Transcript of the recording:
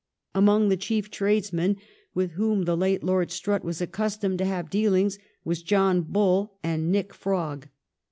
Among the chief tradesmen, with whom the late Lord Strutt was accustomed to have dealings, were John Bull and Nick Frog.